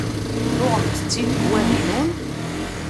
Tuɣemt-t-id deg Wahinun?